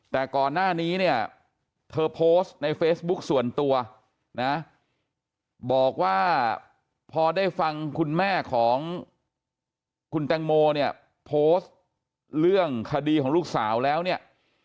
แต่ก่อนหน้านี้เนี่ยเธอโพสต์ในเฟซบุ๊กส่วนตัวนะบอกว่าพอได้ฟังคุณแม่ของคุณแตงโมเนี่ยโพสต์เรื่องคดีของลูกสาวแล้วเนี่ย